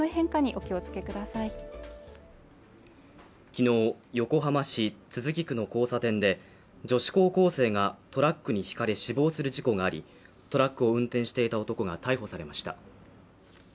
昨日横浜市都筑区の交差点で女子高校生がトラックにひかれ死亡する事故がありトラックを運転していた男が逮捕されました